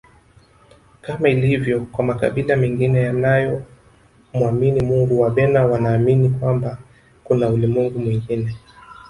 Kama ilivyo kwa makabila mengine yanayo mwamini Mungu Wabena wanaamini kwamba kuna ulimwengu mwingine